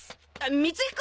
光彦！